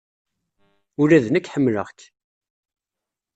Ula d nekk ḥemmleɣ-k.